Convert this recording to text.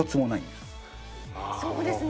そうですね。